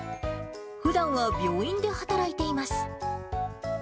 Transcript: ふだんは病院で働いています。